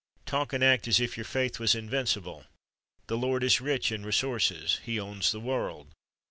Talk and act as if your faith was invincible. The Lord is rich in resources; He owns the world.